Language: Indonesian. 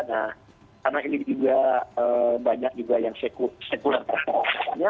nah karena ini juga banyak juga yang sekuler